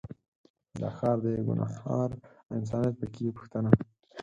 دا ښار دی ګنهار او انسانیت په کې پوښتنه